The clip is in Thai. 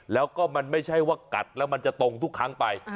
แล้วก็มันไม่ใช่ว่ากัดแล้วมันจะตรงทุกครั้งไป